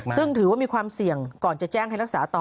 ซึ่งถือว่ามีความเสี่ยงก่อนจะแจ้งให้รักษาต่อ